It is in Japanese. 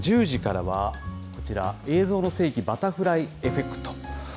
１０時からはこちら、映像の世紀バタフライエフェクト。